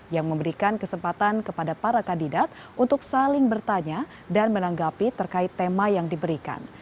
yang memberikan kesempatan kepada para kandidat untuk saling bertanya dan menanggapi terkait tema yang diberikan